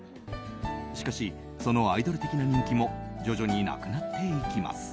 しかし、そのアイドル的な人気も徐々になくなっていきます。